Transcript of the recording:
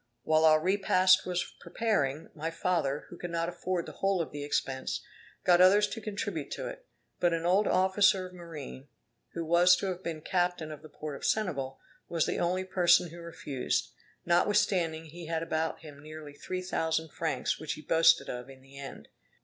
While our repast was preparing, my father, who could not afford the whole of the expense, got others to contribute to it, but an old officer of marine, who was to have been captain of the port of Senegal, was the only person who refused, notwithstanding he had about him nearly three thousand francs which he boasted of in the end.